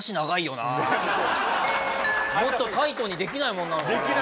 もっとタイトにできないもんなのかな？